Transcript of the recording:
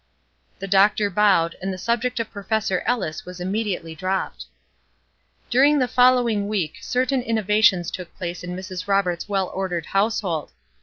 The doctor bowed; and the subject of Professor Ellis was immediately dropped. During the following week certain innovations took place in Mrs. Roberts well ordered household.